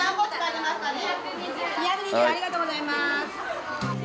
２２０円ありがとうございます！